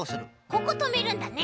こことめるんだね。